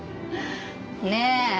ねえ！